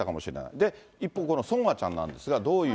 で、一方、このソンアちゃんなんですが、どういう。